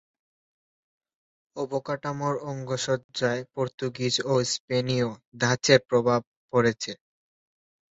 অবকাঠামোর অঙ্গসজ্জ্বায় পর্তুগিজ ও স্পেনীয় ধাঁচের প্রভাব পড়েছে।